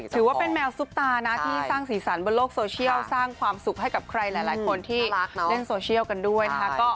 ถือว่าเป็นแมวซุปตานะที่สร้างสีสันบนโลกโซเชียลสร้างความสุขให้กับใครหลายคนที่เล่นโซเชียลกันด้วยนะคะ